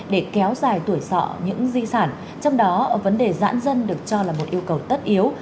để kéo dài tuổi sọ những di sản trong đó vấn đề giãn dân được cho là một yêu cầu tất yếu